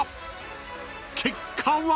［結果は⁉］